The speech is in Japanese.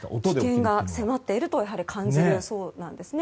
危険が迫っていると感じると、そうなんですね